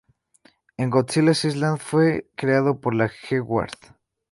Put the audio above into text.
En "Godzilla Island", fue creado por la "G-Guard".